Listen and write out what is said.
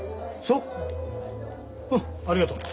うんありがとう。